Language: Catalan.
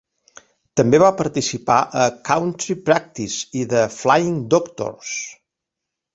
També va participar a "A Country Practice" i "The Flying Doctors".